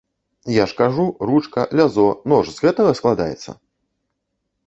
Я ж кажу, ручка, лязо, нож з гэтага складаецца?